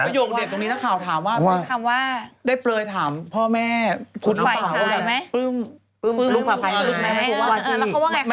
ตรงนี้ถ้าข่าวถามว่าได้เปลยถามพ่อแม่พุทธหรือเปล่าแต่ปลื้มลูกภัยใช่ไหมแล้วเขาว่าไงคะ